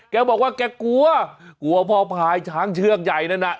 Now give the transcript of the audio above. แกบอกว่าแกกลัวกลัวพ่อพายช้างเชือกใหญ่นั่นน่ะ